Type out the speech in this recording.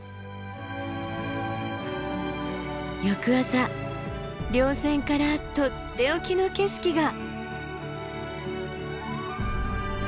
翌朝稜線からとっておきの景色が。